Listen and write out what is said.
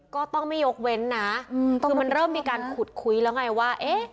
ก็ต้องไม่ยกเว้นนะคือมันเริ่มมีการขุดคุยแล้วไงว่าเอ๊ะ